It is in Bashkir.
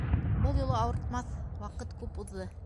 Был юлы ауыртмаҫ, ваҡыт күп уҙҙы.